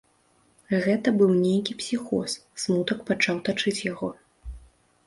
Гэта быў нейкі псіхоз, смутак пачаў тачыць яго.